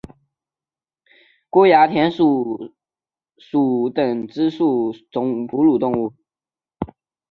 沟牙田鼠属等之数种哺乳动物。